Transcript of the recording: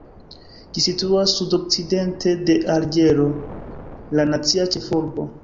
Ĝi situas sudokcidente de Alĝero, la nacia ĉefurbo.